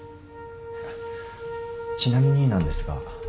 ちなみになんですが三星